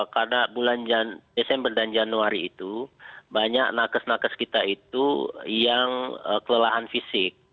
karena bulan desember dan januari itu banyak nakes nakes kita itu yang kelelahan fisik